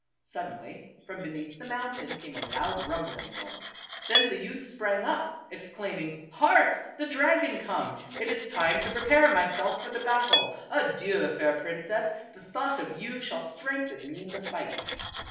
Suddenly from beneath the mountain came a loud rumbling noise. Then the youth sprang up, exclaiming, "Hark! the dragon comes. It is time to pre pare myself for the battle. Adieu, fair princess ! the thought of you shall strengthen me in the fight."